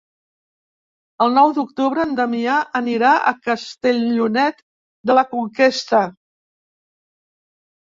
El nou d'octubre en Damià anirà a Castellonet de la Conquesta.